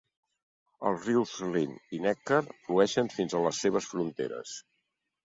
Els rius Rin i Neckar flueixen fins a les seves fronteres.